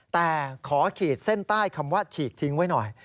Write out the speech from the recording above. แต่ขอขีดเส้นใต้คำว่าฉีกทิ้งไว้หน่อย